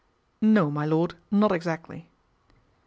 " No, my lord, not exactly."